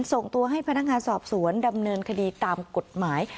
ส่งตัวให้พนักงานสอบสวนดำเนินคดีตามกฎหมาย